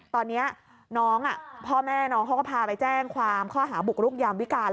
ตอนนี้น้องพ่อแม่น้องเขาก็พาไปแจ้งความข้อหาบุกรุกยามวิการ